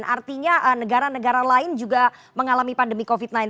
artinya negara negara lain juga mengalami pandemi covid sembilan belas